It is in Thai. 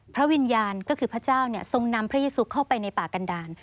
พระวิญญาณก็คือพระเจ้าเนี้ยทรงนำพระเยซูเข้าไปในป่ากันดาร